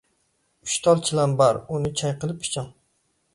ئۈچ تال چىلان بار، ئۇنى چاي قىلىپ ئىچىڭ.